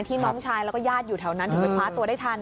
น้องชายแล้วก็ญาติอยู่แถวนั้นถึงไปคว้าตัวได้ทัน